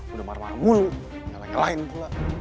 udah marah marah mulu nyalahin nyalahin pula